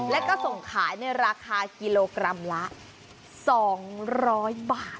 แล้วก็ส่งขายในราคากิโลกรัมละ๒๐๐บาท